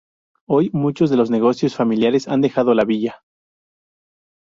Hoy, muchos de los negocios familiares han dejado la villa.